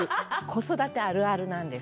子育てあるあるなんです。